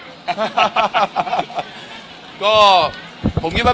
คุณคิดเรื่องนี้ได้ไหม